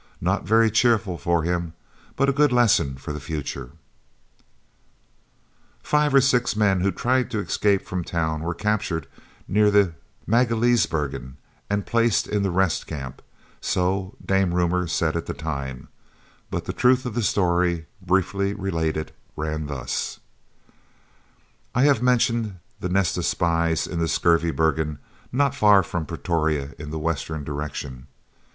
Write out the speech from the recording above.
Not very cheerful for him, but a good lesson for the future! Five or six men who tried to escape from town were captured near the Magaliesbergen and placed in the Rest Camp, so Dame Rumour said at the time, but the truth of the story, briefly related, ran thus: I have mentioned the nest of the spies in the Skurvebergen not far from Pretoria in the western direction.